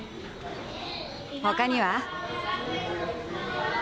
他には？